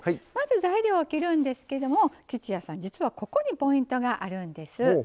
まず材料を切るんですけども吉弥さん、実はここにポイントがあるんです。